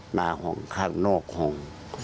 หน้าห้องข้างนอกห้อง